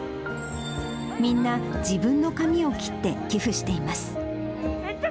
みんな自分の髪を切って寄付しています。